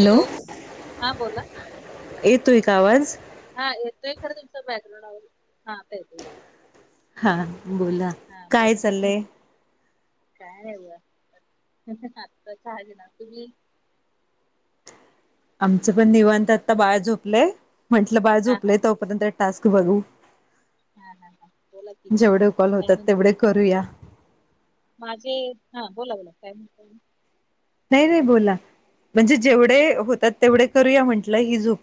Hello हा बोला येतोय का आवाज हा येतोय खरं तुमच बॅकग्राउंड हा येत हा बोला काय हं, चाललंय काय आहेवता काज ना तुझी आमचं पण निवांत आता बाळ झोपलेय म्हंटलं बाळ हा हा झोपले तोपर्यंत टास्क बघू हा हा हा बोला की जेवढे कॉल काय होतात म्हण तेवढे करूया माझे हा बोला बोला काय म्ह नाही नाही बोला म्हणजे जेवढे होतात तेवढे करूया म्हंटलं ही झोप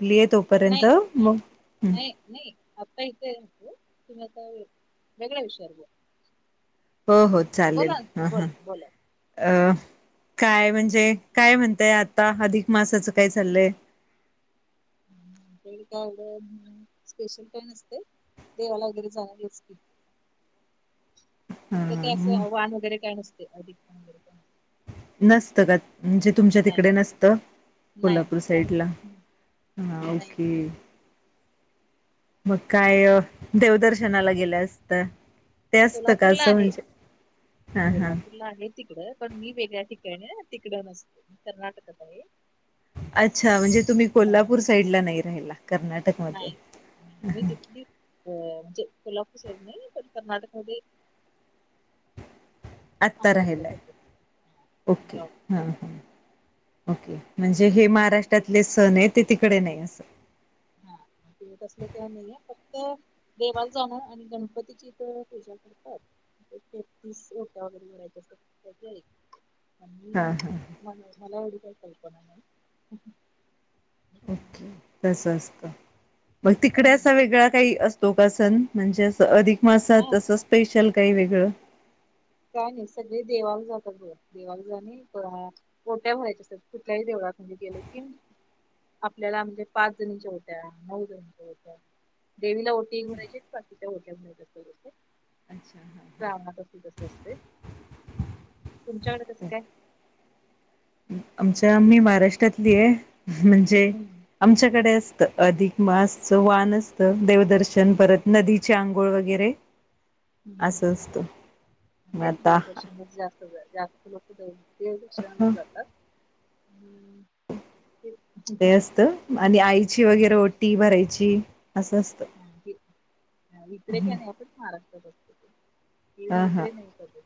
नाही नाही नाही आता इथ त तुम्ही आता वेगळ्या विषयावर ब हो हो चालेल ह हां बोला बोला अ काय म्हणजे काय म्हणतय आता अधिक मासाचं काय चाललंय कालं स्पेशल काय नसते देवाला वगैरे जाणारी असती ह इिकलं काय असं आवहन वगैरे काय नसते अधिकण वगैरे काय नस नसतं का म्हणजे तुमच्या तिकडे नसतं नाही नाही कोल्हापूर साईडला नाही हा नाही नाही. ओके मग काय देवदर्शनाला गेलं असत. सोलापूरला आहे हा हा सोलापूरला आहे तिकड पण मी वेगळ्या ठिका तिकड नसते कर्नाटकात आहे. अच्छा म्हणजे तुम्ही हा कोल्हापूर साईड ला नाही राहिला कर्नाटकमध्ये नाही मी तिथली अ म्हणजे कोल्हापूर साईट नाही पण कर्नाटकमध्ये आहे आत्ता सध्या ओके जॉब ह ह ओके म्हणजे हे तिथले महाराष्ट्रातले सण आहेत. ते तिकडे नाही असं त असलं तेव्हा नाहीे फक्त देवाला जाण आणि गणपतीची तर पूजा करतात तेहतीस ओट्या वगैरे भरायच्या अस आणि हां हां मला मला एवढी काय कल्पना नाही ओके तस असत मग तिकडे हम्म असा वेगळा काही अस तो का सन म्हणजे असं अधिक हा मासात असं स्पेशल काही वेगळं. काय नाही सगळे देवाला जातात बघा देवाला जाणे पण ओट्या भरायच्या असतात कुठल्याही देवा म्हणजे गेलं की आपल्याला म्हणजे पाच जणीच्या ओट्या नऊ जणींच्या ओट्या देवीला ओटी भरायची बाकिच्या ओट्या भरायच्या [inaudible] तुमच्याकडे कसं काय आमच्या आ मही महाराष्ट्रातली आहे. म्हणजे हम्म आमच्याकडे तर अधिक मासच वान असतं देवदर्शन परत नदीचे आंघोळ वगैरे हं असं असतं हं मग तेच आता देवदर्शनध्ये जास्त जास्त लोक दे ते [inaudible] जातात आणि ते ते असत आणि आईची वगैरे ओटी भरायची अस्वस्थ इकडे का नाही आपण महाराष्ट्रात असतो. हा हा इकडे नाही कधी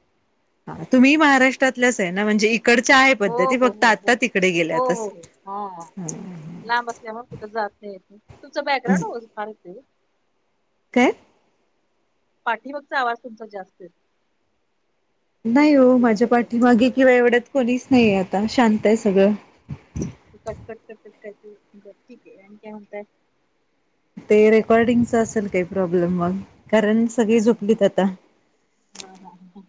हा तुम्ही महाराष्ट्रातल्याच आहे ना म्हणजे इकडच्या आहे हो पद्धती हो फक्त हो हो आता तिकडे गेल्या हो हो तसं हो हां लांब असल्यामुळे कुठं जात नाहीेत तुमचं बॅकग्राऊंड फार काय पाठी मागचा आवाज तुमचा जास्त येतोय नाही हो माझ्या तुमच्याकडून पाठीमागे किंवा एवढ्यात कोणीच नाहीये आता शांत आहे सगळं कट कट कटकटती बर ठिक ये आणि काय म्हणताय ते रेकॉर्डिंगच असेल काही प्रॉब्लेम मग कारण हा सगळी झोपलीत आता हा ह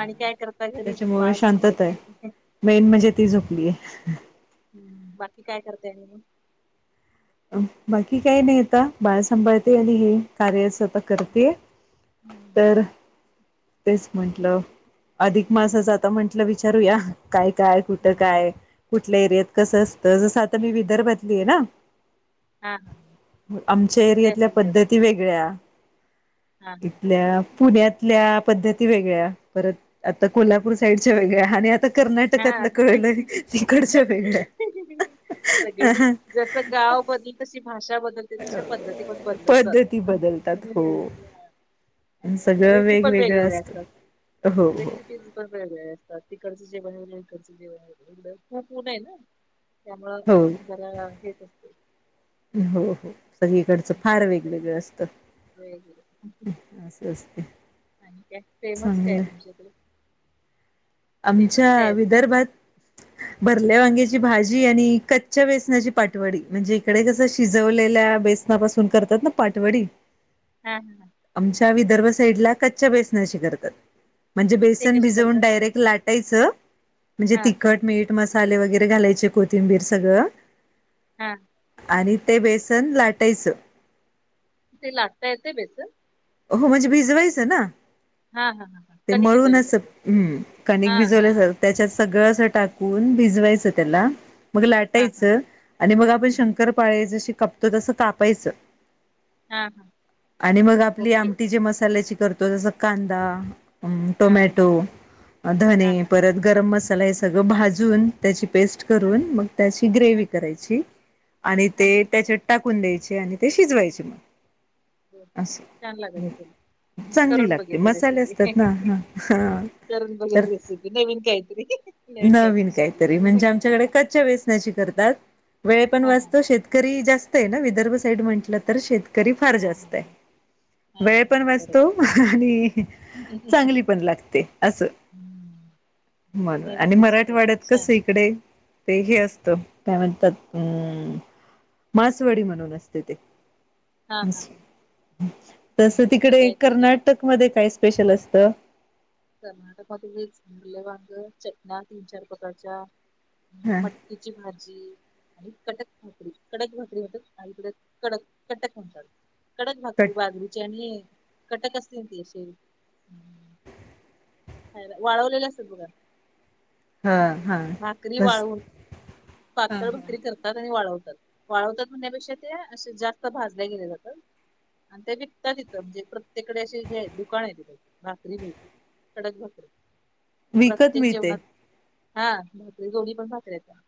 आणि काय करता घरी त्याच्यामुळे बाळ झोपलंय शांतता आहे. काय मेन म्हणजे ती झोपलीय हम्म बाकी काय करताय आणि मग बाकी काही नाही आता बाळ सांभाळते आणि हे कार्याच हम्म. करते हम्म. तर तेच म्हंटलं अधिक मासाच आता म्हंटलं विचारूया काय काय कुठं हम्म. काय कुठल्या एरियात कसं असतं जसं आता मी विदर्भातली आहे ना हा हा आमच्या तिकडे एरियातल्या असेल जास्त. पद्धती वेगळ्या हा इथल्या पुण्यातल्या पद्धती वेगळ्या परत आता कोल्हापूर साईडच्या वेगळ्या आणि आता हा हा. कर्नाटकातलं कळलंय तिकडच्या वेगळ्या सगळीकडे जस गाव बदल तशी भाषा बदलते तशा पद्धती पण बदलत पद्धती जातात बदलतात हो आणि सगळं रेसीपी पण वेगवेगळं वेगवेगळे असतात असतं हो हो रेसिपी पण वेगवेगळे असतात तर तिकडचं जे बनवलं तिकडचं जे बनवं खूप उन आहे ना त्यामुळं हो जरा हेच असतं हो हो सगळीकडचं आणि फार त्यानंतर वेगवेगळं असत वेगवेगळं स्ते आणि काय फेमस कायय तुमच्याकडे फेमस काय आमच्या आहे तुमच्या विदर्भात भरल्या हम्म वांग्याची भाजी आणि क् च्या बेसनाची पाठवडी म्हणजे इकडे कस शिजवलेल्या बेसनापासून करतात ना पाटवडी हम् हम् र्ड क म्हण ब ते कशी करता भिाे ाय म्हणजे हा तिखट मीठ मसाले वगैरे घालायचे कोथिंबीर सगळं हा आणि ते बेसन लाटायचं ते लागता येते बेस हो म्हणजे भिजवायचं ना हा हा हा हा ते कणिक मळूनच भिजवल्यासारखं हम् हा कणिक हा हा भिजवले त्याच्याच सगळं असं टाकून भिजवायचं त्याला मग हा हा लाटायचं आणि मग आपण हम्म शंकर पाळे जशी कापतो तसं कापायचं हा हा आणि मग आपली ओके आमटी ज मसाल्याची करतो जस कांदा हा टोमॅटो धने हा हा हा परत गरम मसाला हे सगळं भाजून त्याची पेस्ट हा हा करून मग त्याची ग्रेव हा करायची आणि हा ते हा. त्याच्यात टाकून द्यायची आणि ते शिजवायचे मग हो हो असं हो छान लाग त चांगली लागते मसाले असतात ना ह ह करून बघेन रेसिपी नवीन काहीतरी नवीन काहीतरी शिकलेली म्हणजे आमच्याकडे कच्च्या वेचण्याची हा वण हा शेतरीस्तर् म्हट तर शेतकरी फार हा हा जास्त हा वेळ पण वाचतो बरोबर आणि हम्म. चांगली पण लागते असं मला नवीन आणि रेसिपी आहे मराठवाड्यात कस छान इकडे ते हे असत काय म्हणतात अं मासवडी म्हणून असते ते हा हा हा तस आमच्याकडे तिकडे काय ते का नाही कर्नाटक मध्ये काय का स्पेशल असतं कर्नाटक मधच मुरले वांग चटना तीन चार प्रकारच्या हा मटकीची भाजी आणि कटक भाकरी कडक भाकरी म्हणतात आणि त कडक कटक म्हणतात कडक कट भाकरी बाजरीची आणि कडक असते ती अे वाळवलेलं अस बुघ हा हा भाकरी बस वाळून हा पातळ भाकरी करतात आणि वाळवून वाळवतात म्हणण्यापेक्षा ते असे जास्त भाजल्या गेले जातात आणि ते विकतात तिथं म्हणजे प्रत्येकडे अे दुकान आहे ति भाकरी मिळते कडक भाकर विकत प्रत्येक मिळते. जेवनात हा दोन्ही पण भाकरी आहेत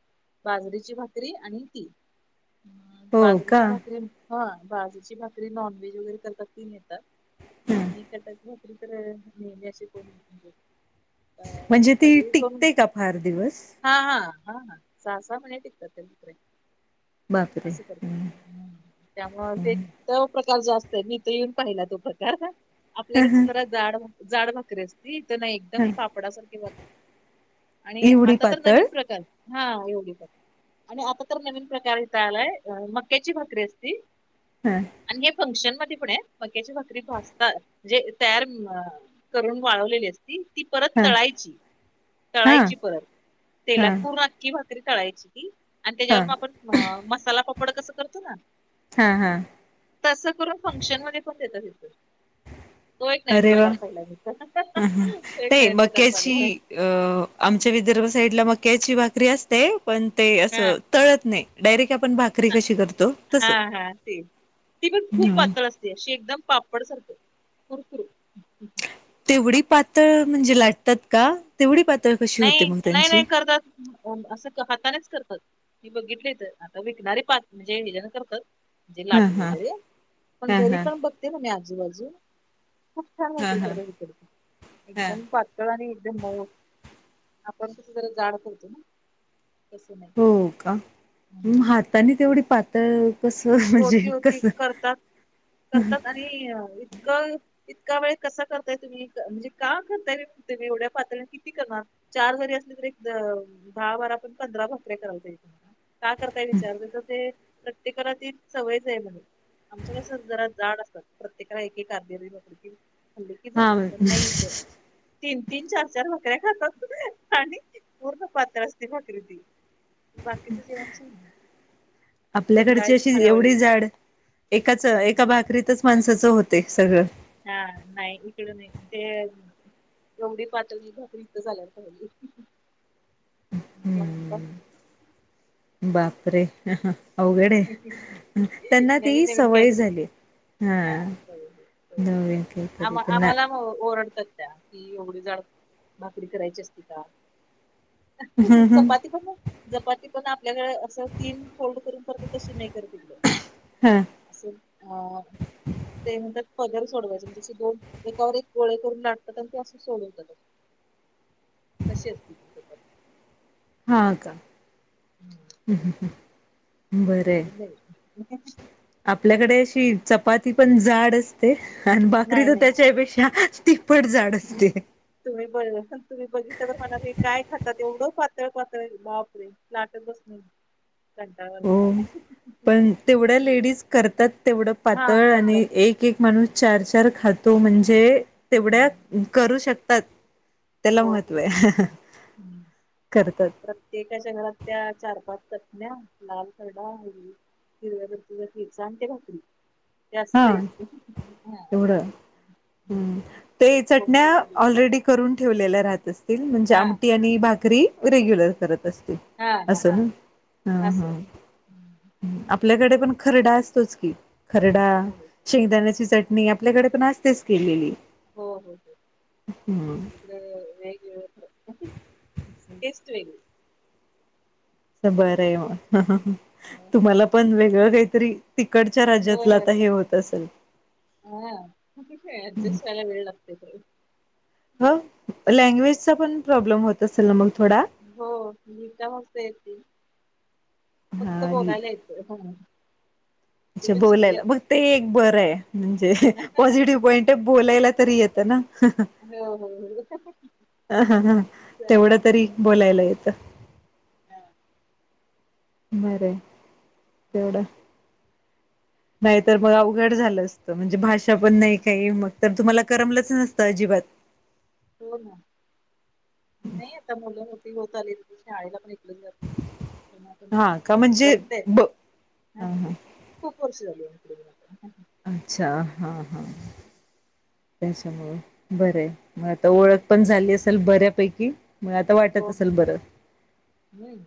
बाजरीची भाकरी आणि ती हो का? बाजरीची भाकरी हा बाजरीची भाकरी नॉनव्हेज वगैरे करतात ती नेतात आणि कडक [unintelligible] तर नेशी कोणी म्हणजे ती टिकते का फार दिवस हा हा हा हा सहा सहा महिने टिकतात ते दु्रे बापरे! असं करत हम्म त्यामुळ ते तर प्रकार जास्त आहेत इथं येऊन पाहिला तो प्रकार आपल्याकडच जरा जाड जाड भाकरी असती ते ना एकदम पापडासारखे बनते आणि एवढी आता तर पातळ? नवीन प्रकार हा एवगी ब आणि आता तर नवीन प्रकार इता आलाय मक्याची भाकरी असती हा आणि हे फंक्शन मध्ये ते पण आहे मक्याची भाकरी भासतात म्हणजे तयार करून वाळवलेली असते ती परत हा तळायची हा. तळायची परत तेलात हा पूर्ण भाकरी तळायची आणि त्याच्यावर हा. म आपण मसाला पापड कस करतो ना हा हा. तस करुन फंक्शन मध्ये पण देतात तो एक [unintelligible] नवीन अरे वा प्रकार पाहिला मी तर. ह ह तो एक नाही नवीन प्रकार मक्याची पाहिला मी अ आमच्या विदर्भ साईडला मक्याची भाकरी असते पण ते हा असं तळत नाही डायरेक्ट आपण भाकरी हा कशी करत हा हा ते ती पण खूप हम्म. पातळ असते अशी एकदम पापड सारखी [unintelligible] तेवढी पातळ म्हणजे लाटतात का तेवढी पा नाही नाही नाही करतात असं हातानेच करतात मी बघितली तर आता विकणारी बात म्हणजे हे जण करतात म्हणजे हा लाटू हा वगैरे पण हा घरी हा पण बघते ना मी आजूबाजू खूप छान हा होते हा तर हा. मऊ पातळ आणि एकदम म आपण किती जरी जाड करतो ना तसं नाही हो का हम्म. हातानी तेवढी पातळ कसं म्हणजे होती होती कसं करतात करतात आणि क इतका वेळ कसा करताय तुम्ही म्हणजे का करताय तुम्ही एवढ्या पातळीने किती करणार चार जरी असले तरी दहा बारा पण पंधरा भाकरी करायच का करताय विचारते तर ते प्रत्येकाला ते सवयच आहे म्हणेून आमच्या कस जरा जाड असतात प्रत्येकाला एक एक अद हा तीन तीन चार चार भाकऱ्या खातात आणि त पूर्ण पात्र असते भाकरी ती बाकी तू जेवच आपल्याकडची अशी एवढी जाड एकाच एका भाकरीतच माणसाच तो होते सगळं हा नाही इकडून ते एवढी पातळ भाकरी इथ झाल्या पाहिली त्यानंतर हम्म बापरे अवघड आहे त्यांना नवीन ती नवीन सवय काहीतरी झाली हा हा नवीन काहीतरी आम त्यांना आम्हाला ओरड कि एवढे जाड भाकरी करायची असती का. चपाती पण चपाती पण आपल्याकडे असं तीन फोल्ड करून त नाही करतील हा अस ते म्हणतात. पदल सोडवायचे त्याचे दोन एकावर एक गोळे करून लाटतात आणि ते असं सोडवतात. कशी असते तुत. [inaudible] बरं न. आपल्याकडे अशी चपाती पण जाड असते आणि बाकरी नाही तर नाही त्याच्यापेक्षा. तिखपट झाड असते. तुम्ही ब तुम्ही पातल पातल वापरे लाट बसून घंटा हो का. पण तेवढ्या लेडीज करतात तेवढं हा पातळ करतात आणि एक एक माणूस चार चार खातो म्हणजे तेवढ्या हम्म. करू शकतात. तेला हो हो महत्व हो आहे. हम्म. करतात प्रत्येकाच्या घरात त्या चार पाच न लाल तडा आहे हिर्या भतीचा आणि ते भाकरी ते हा असतयच हा एवढ असतयच ते कोणी चटण्या येऊ दे ऑलरेडी करून ठेवलेला राहत असतील म्हणजे हा आमटी आणि भाकरी रेग्युलर करत असते. हा हा अस हा ना हा असं हा हम्म. आपल्याकडे पण खरडा असतोच की खरडा हो हो शेंगदाण्याची चटणी आपल्याकडे पण असतेच केलेली. हो हो हम्म हो वेगवेळ. [inaudible] बरं आहे म तुम्हाला पण वेगळं काहीतरी- तिकडच्या होय राज्यातलं होय आता हे होत असेल. हा. मग तिथे ऍडजस्ट व्हायला वेळ लागते खरं. ह लँग्वेजचा पण प्रॉब्लेम होत असेल ना मग थोडा हो मी कास येते फक्त बोलायला येतं ह ह अच्छा बोलायला मग ते एक बरं आहे म्हणजे पॉझिटिव्ह पॉइंट आहे बोलायला तरी येतं ना हो हो ह हा हां तेवढं चालतंय तरी चालतंय. बोलायला येतं बर एवढा नाही तरर मग अवघड झालं असतं म्हणजे भाषा पण नाही काही मग तर तुम्हाला करमलंच नसतं अजिबात [inaudible] हो ना नाही आता मुलं होती होत आली त शाळेला पण इकडे जात तेव्हा आता नाही हा का म्हणजे जमतंय आता. ब हा हा खूप वर्ष झाली इकडे येऊन आता. अच्छा हा हा त्याच्यामुं बर मग आता ओळख पण झाली असेल बऱ्यापैकी मग आता वाटत हो. हो असेल बरं हम्म.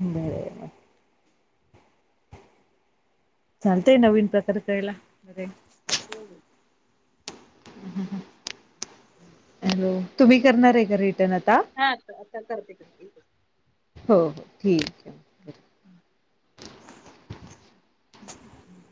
बर ना. चालतय नवीन प्रकार करायला बरे हम्म हॅलो तुम्ही करणार आहे का रिटर्न आता हा कररते कर हो हो ठीक आहे. हम्म. [unintelligible]